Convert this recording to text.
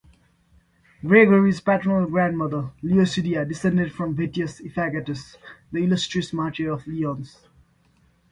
Gregory's paternal grandmother, Leocadia, descended from Vettius Epagatus, the illustrious martyr of Lyons.